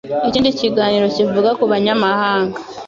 ikindi kiganiro kivuga ku banyamahanga